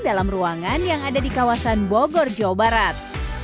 dalam ruangan yang ada di kawasan bogor jawa barat